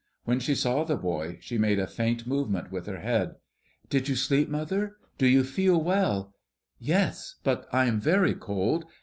When she saw the boy, she made a faint movement with her head. "Did you sleep, mother? Do you feel well?" "Yes; but I am very cold.